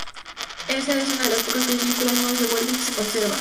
Esa es una de las pocas películas mudas de Walker que se conserva.